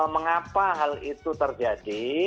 mengapa hal itu terjadi